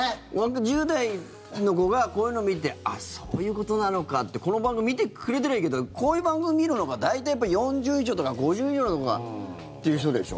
１０代の子がこういうの見てあっ、そういうことなのかってこの番組を見てくれてればいいけどこういう番組を見るのが大体４０以上とか５０以上という人でしょ。